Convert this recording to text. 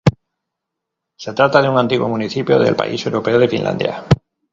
Se trata de un antiguo municipio del país europeo de Finlandia.